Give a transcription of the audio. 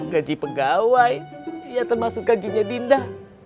gaji pegawai ya termasuk gajinya dinda